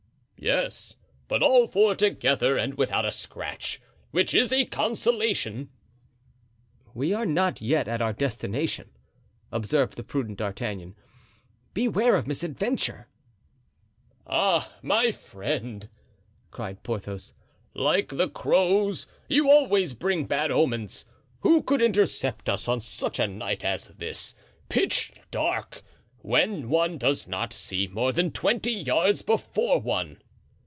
"Yes; but all four together and without a scratch; which is a consolation." "We are not yet at our destination," observed the prudent D'Artagnan; "beware of misadventure." "Ah, my friend!" cried Porthos, "like the crows, you always bring bad omens. Who could intercept us on such a night as this, pitch dark, when one does not see more than twenty yards before one?"